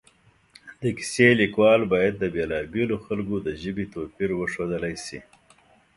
د کیسې لیکوال باید د بېلا بېلو خلکو د ژبې توپیر وښودلی شي